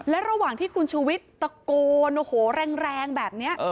และระหว่างที่คุณชุวิตตะโกนแรงแบบนี้